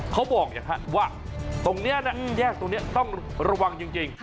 เขาบอกนะฮะว่าตรงเนี่ยนะแยกตรงเนี่ยต้องระวังจริง